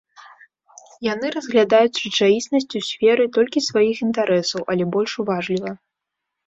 Яны разглядаюць рэчаіснасць у сферы толькі сваіх інтарэсаў, але больш уважліва.